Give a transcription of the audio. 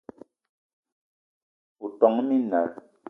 O ton minal